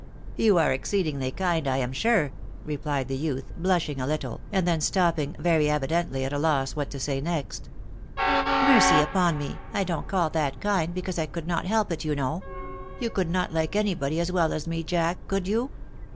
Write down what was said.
" You are exceedingly kind, I am sure," replied the youth, blushing a little, and then stopping, very evidently at a loss what to say next. " Mercy upon me ! I don't call that kind, because I could not help it, you know. You could not like anybody as well as me. Jack, could you?"